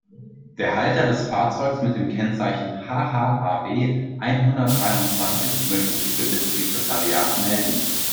Der Halter des Fahrzeugs mit dem Kennzeichen HH-AB-einhundertdreiundzwanzig möchte sich bitte im Sekretariat melden.